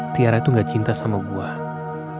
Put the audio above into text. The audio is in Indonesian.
tiara itu gak cinta sama buah